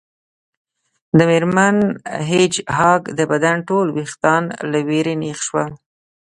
د میرمن هیج هاګ د بدن ټول ویښتان له ویرې نیغ شول